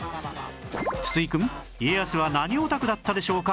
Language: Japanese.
筒井くん家康は何オタクだったでしょうか？